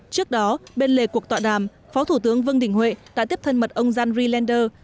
trước đó bên lề cuộc tọa đàm phó thủ tướng vân đình huệ đã tiếp thân mật ông john reelander